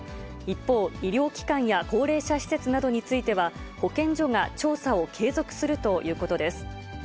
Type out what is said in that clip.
一方、医療機関や高齢者施設などについては、保健所が調査を継続するということです。